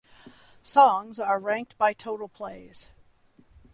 Songs are ranked by total plays.